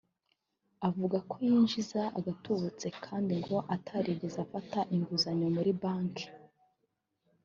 avuga ko yinjiza agatubutse kandi ngo atarigeze afata inguzanyo muri banki